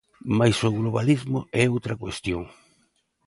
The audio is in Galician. Mais o Globalismo é outra cuestión.